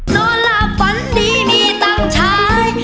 นอนหลับฝันดีมีต่างชาย